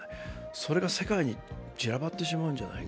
それが世界に散らばってしまうのではないか。